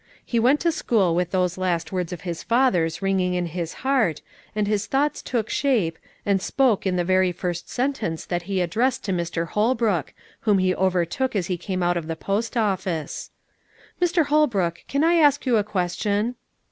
He went to school with those last words of his father's ringing in his heart, and his thoughts took shape, and spoke in the very first sentence that he addressed to Mr. Holbrook, whom he overtook as he came out of the post office: "Mr. Holbrook, can I ask you a question?"